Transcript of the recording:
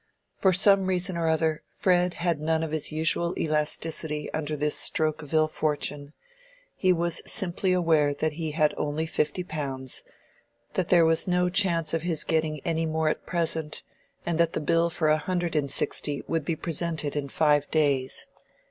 For some reason or other, Fred had none of his usual elasticity under this stroke of ill fortune: he was simply aware that he had only fifty pounds, that there was no chance of his getting any more at present, and that the bill for a hundred and sixty would be presented in five days.